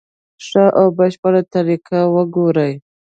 ښه او بشپړه طریقه وګوري.